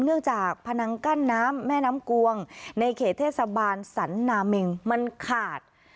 เนื่องจากพนังกั้นน้ำแม่น้ำกวงในเขตเทศบาลสันนาเมงมันขาด